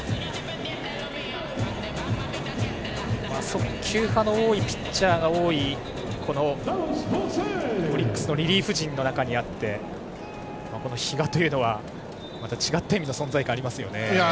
速球派のピッチャーが多いオリックスのリリーフ陣の中で比嘉というのはまた違った意味の存在感がありますね。